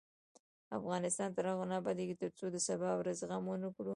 افغانستان تر هغو نه ابادیږي، ترڅو د سبا ورځې غم ونکړو.